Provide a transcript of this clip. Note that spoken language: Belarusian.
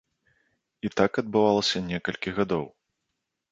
І так адбывалася некалькі гадоў.